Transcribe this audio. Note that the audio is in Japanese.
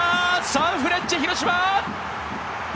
サンフレッチェ広島！